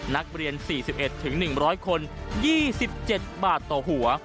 นักเรียน๔๑๑๐๐คน๒๗บาทต่อหัว